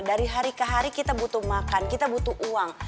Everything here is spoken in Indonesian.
dari hari ke hari kita butuh makan kita butuh uang